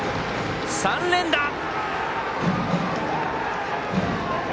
３連打！